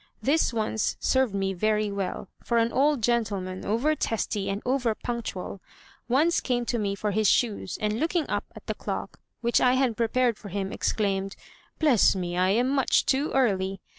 This once served me very well, for an old gentleman, over testy and over punctual, once came to me for his shoes, and looking up at the clock, which I had prepared for him, exclaimed, 'Bless me! I am much too early!'